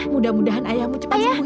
mudah mudahan ayahmu cepat sembuh